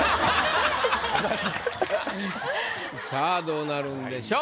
さあどうなるんでしょう？